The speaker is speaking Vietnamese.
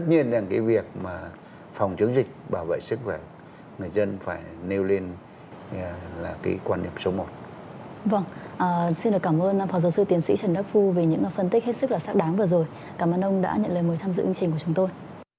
cảm ơn ông đã nhận lời mời tham dự hướng dẫn của chúng tôi